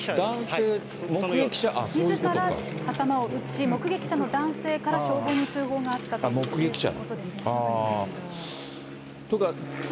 みずから頭を撃ち、目撃者の男性から消防に通報があったということです。